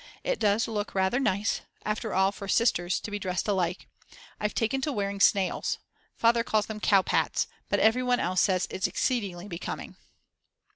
It does look rather nice after all for sisters to be dressed alike. I've taken to wearing snails, Father calls them "cow pats;" but everyone else says it's exceedingly becoming.